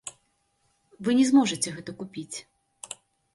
Вы не зможаце гэта купіць.